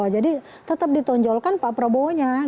jadi tetap ditonjolkan pak prabowo nya